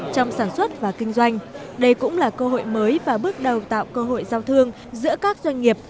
trong sản xuất và kinh doanh đây cũng là cơ hội mới và bước đầu tạo cơ hội giao thương giữa các doanh nghiệp